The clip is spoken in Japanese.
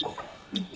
うん。